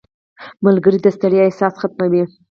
• ملګری د ستړیا احساس ختموي.